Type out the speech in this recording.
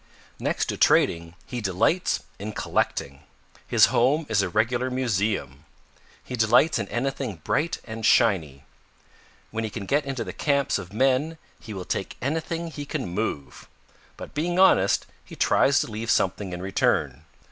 "Next to trading he delights in collecting. His home is a regular museum. He delights in anything bright and shiny. When he can get into the camps of men he will take anything he can move. But being honest, he tries to leave something in return.